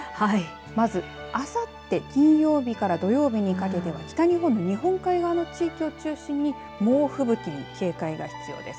まず、あさって金曜日から土曜日にかけては北日本の日本海側の地域を中心に猛吹雪に警戒が必要です。